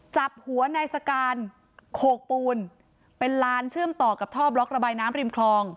จับหัวนายสการโขกปูนเป็นลานเชื่อมต่อกับท่อบล็อกระบายน้ำริมคลอง